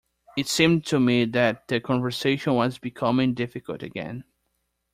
It seemed to me that the conversation was becoming difficult again.